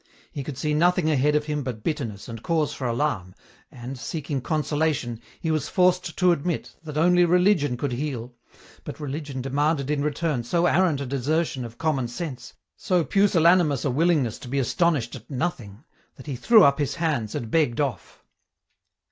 He could see nothing ahead of him but bitterness and cause for alarm, and, seeking consolation, he was forced to admit that only religion could heal, but religion demanded in return so arrant a desertion of common sense, so pusillanimous a willingness to be astonished at nothing, that he threw up his hands and begged off.